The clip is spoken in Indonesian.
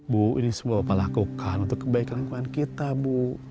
bu ini semua pelakukan untuk kebaikan kemampuan kita bu